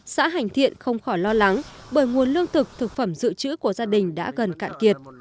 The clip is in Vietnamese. xã hành thiện không khỏi lo lắng bởi nguồn lương thực thực phẩm dự trữ của gia đình đã gần cạn kiệt